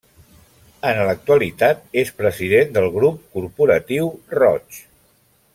En l'actualitat és president del Grup Corporatiu Roig.